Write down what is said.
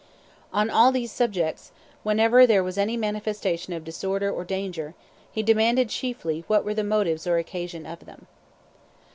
On all these subjects, whenever there was any manifestation of disorder or danger, he demanded chiefly what were the motives or occasion of them."